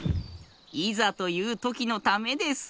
いざというときのためです。